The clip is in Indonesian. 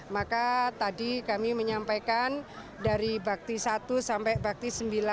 maka tadi kami menyampaikan dari bakti satu sampai bakti sembilan